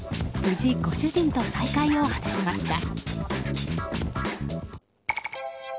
無事ご主人と再会を果たしました。